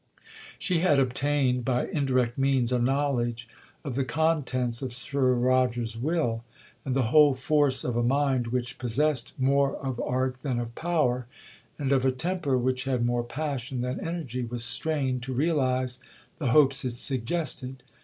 'She had obtained, by indirect means, a knowledge of the contents of Sir Roger's will; and the whole force of a mind which possessed more of art than of power, and of a temper which had more passion than energy, was strained to realize the hopes it suggested.